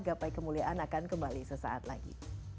gapai kemuliaan akan kembali sesaat lagi